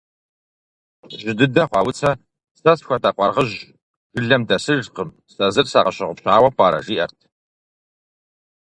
Жьы дыдэ хъуа Уцэ: «Сэ схуэдэ къуаргъыжь жылэм дэсыжкъым, сэ зыр сакъыщыгъупщауэ пӏэрэ?», жиӏэрт.